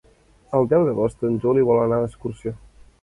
El deu d'agost en Juli vol anar d'excursió.